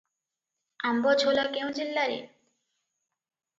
ଆମ୍ବଝୋଲା କେଉଁ ଜିଲ୍ଲାରେ?